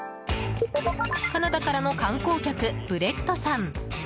カナダからの観光客ブレットさん。